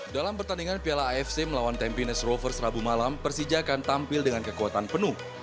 dalam pertandingan piala afc melawan tampines rovers rabu malam persija akan tampil dengan kekuatan penuh